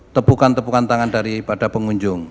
tepukan tepukan tangan daripada pengunjung